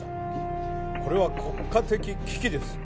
これは国家的危機です。